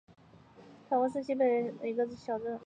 塔翁是南非西北省的一个小镇。